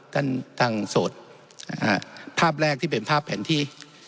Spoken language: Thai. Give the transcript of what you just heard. ท่านทางโสดภาพแรกที่เป็นภาพแผนที่